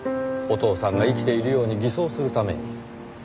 お父さんが生きているように偽装するために。